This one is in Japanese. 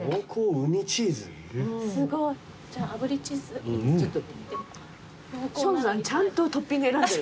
生野さんちゃんとトッピング選んでる。